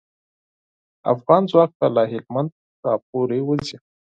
افغان ځواک به له هلمند راپوری وځي.